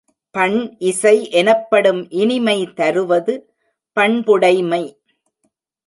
பண் இசை எனப்படும் இனிமை தருவது பண்புடைமை.